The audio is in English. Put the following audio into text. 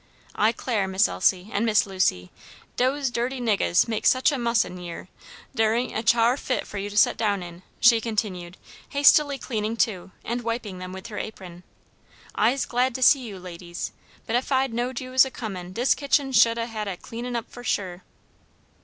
I 'clare Miss Elsie, an' Miss Lucy, dose dirty niggahs make sich a muss in yere, dere aint a char fit for you to set down in," she continued, hastily cleaning two, and wiping them with her apron. "I'se glad to see you, ladies, but ef I'd knowed you was a comin' dis kitchen shu'd had a cleanin' up fo' shuah."